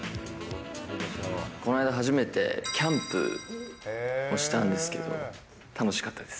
この間、初めてキャンプをしたんですけど、楽しかったです。